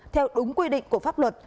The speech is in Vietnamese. theo đúng quy định của pháp luật